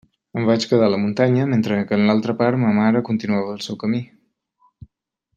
Em vaig quedar a la muntanya mentre que en l'altra part ma mare continuava el seu camí.